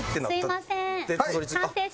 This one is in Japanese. すみません。